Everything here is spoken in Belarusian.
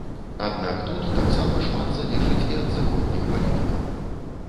Аднак тут шмат таксама залежыць і ад заходніх палітыкаў.